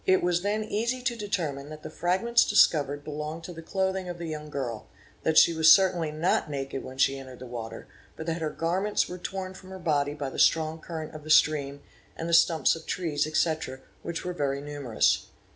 It— was then easy to determine that the fragments discovered belonged to the | clothing of the young girl, that she was certainly not naked when she entered the water but that her garments were torn from her body by the strong current of the stream and the stumps of trees, etc., which were ~ very numerous.